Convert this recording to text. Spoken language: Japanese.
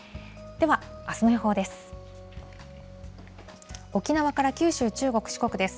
では、あすの予報です。